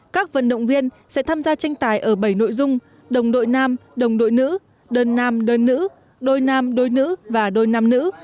các vận động viên sẽ tham gia tranh tài ở bảy nội dung đồng đội nam đồng đội nữ đơn nam đơn nữ đôi nam đôi nữ và đôi nam nữ